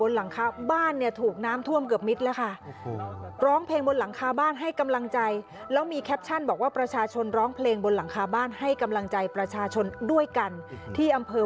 เหมือนคนหมดตัวหมดตัวแล้วตาแก้วตาย